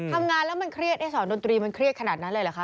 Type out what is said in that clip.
ทำงานแล้วมันเครียดได้สอนดนตรีมันเครียดขนาดนั้นเลยเหรอคะ